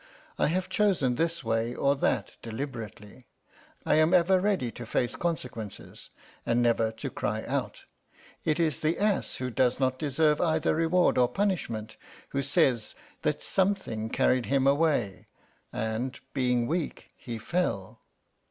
I have chosen this way or that deliberately. I am ever ready to face consequences, and never to cry out. It is the ass who does not deserve either reward or punishment who says that something carried him away, and, being weak, he fell.